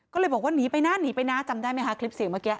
ก็เลยบอกว่าหนีไปนะหนีไปนะจำได้ไหมคะคลิปเสียงเมื่อกี้